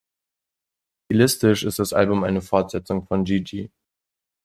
Stilistisch ist das Album eine Fortsetzung von "Gigi".